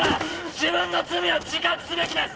自分の罪を自覚すべきです！